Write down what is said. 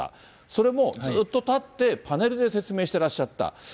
それもずっと立って、パネルで説明してらっしゃった。